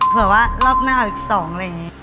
เผื่อว่ารอบหน้าอีก๒เลย